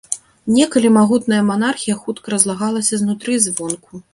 Некалі магутная манархія хутка разлагалася знутры і звонку.